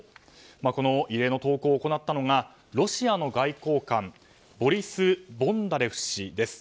この異例の投稿を行ったのがロシアの外交官ボリス・ボンダレフ氏です。